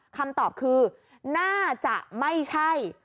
คำตอบคือน่าจะไม่ใช่